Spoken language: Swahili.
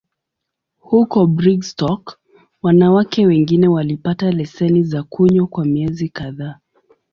Huko Brigstock, wanawake wengine walipata leseni za kunywa kwa miezi kadhaa.